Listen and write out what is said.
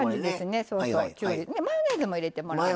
マヨネーズも入れてもらってね。